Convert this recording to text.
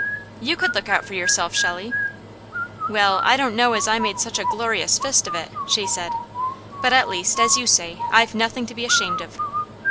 "You could look out for yourself, Shelley?" "Well, I don't know as I made such a glorious fist of it," she said, "but at least, as you say, I've nothing to be ashamed of!"